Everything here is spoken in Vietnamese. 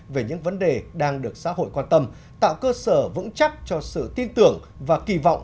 về những vấn đề đang được xã hội quan tâm tạo cơ sở vững chắc cho sự tin tưởng và kỳ vọng